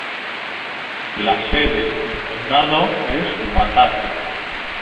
La sede del condado es Batavia.